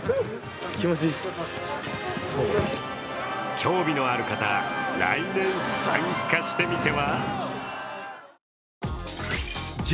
興味のある方、来年参加してみては？